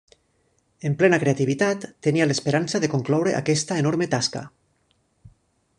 En plena creativitat, tenia l'esperança de concloure aquesta enorme tasca.